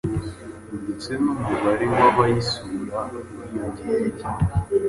ndetse n’umubare w’abayisura wiyongere